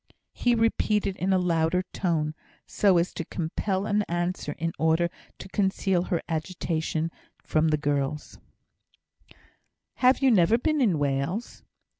He repeated in a louder tone, so as to compel an answer in order to conceal her agitation from the girls: "Have you never been in Wales?"